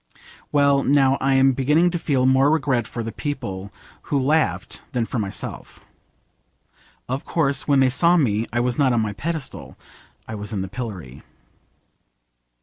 Well, now I am really beginning to feel more regret for the people who laughed than for myself. Of course when they saw me I was not on my pedestal, I was in the pillory.